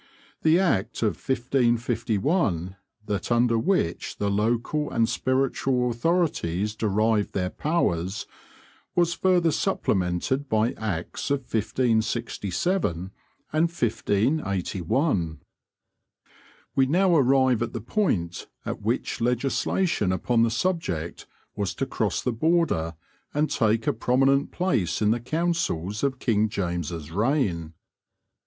The Act of 1551, that under which the local and spiritual authorities derived their powers, was further supplemented by Acts of 1567 and 1581. We now arrive at the point at which legislation upon the subject was to cross the border and take a prominent place in the counsels of King James' reign.